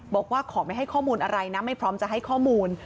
บอกว่าขอไม่ให้ข้อมูลอะไรนะไม่พร้อมจะให้ข้อมูล